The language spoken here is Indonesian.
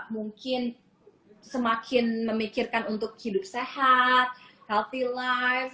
mungkin semakin memikirkan untuk hidup sehat healthy life